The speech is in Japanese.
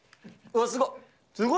わっ、すごい。